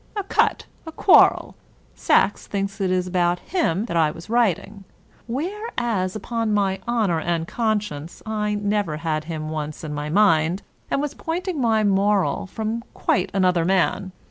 A cut. A quarrel. Sacks thinks it is about him that I was writing: whereas, upon my honor and conscience, I never had him once in my mind, and was pointing my moral from quite another man.